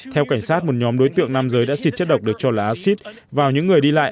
theo cảnh sát một nhóm đối tượng nam giới đã xịt chất độc được cho là acid vào những người đi lại